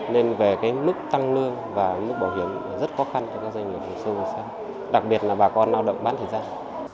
nên về lúc tăng lương và lúc bảo hiểm rất khó khăn cho các doanh nghiệp đặc biệt là bà con lao động bán thời gian